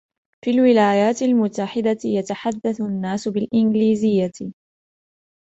.في الولايات المتحدة ، يتحدث الناس بالإنجليزية